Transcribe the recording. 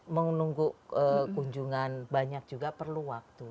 menunggu kunjungan banyak juga perlu waktu